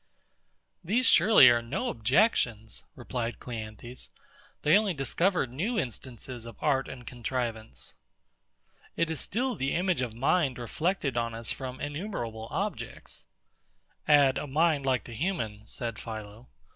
These surely are no objections, replied CLEANTHES; they only discover new instances of art and contrivance. It is still the image of mind reflected on us from innumerable objects. Add, a mind like the human, said PHILO.